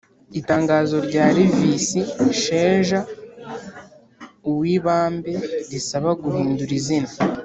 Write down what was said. itangazo rya levisi sheja ,uwibambe risaba guhindura izina